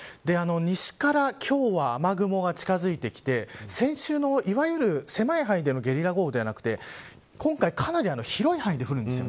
西から今日は雨雲が近づいてきて先週のいわゆる狭い範囲でのゲリラ豪雨ではなくて今回、かなり広い範囲で降るんです。